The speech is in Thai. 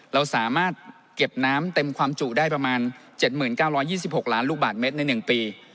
เราสามารถเก็บน้ำเต็มความจุได้ประมาณเจ็ดหมื่นเก้าร้อยยี่สิบหกล้านลูกบาทเมตรในหนึ่งปี